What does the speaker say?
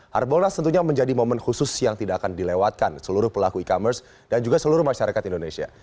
harbolnas tentunya menjadi momen khusus yang tidak akan dilewatkan seluruh pelaku e commerce dan juga seluruh masyarakat indonesia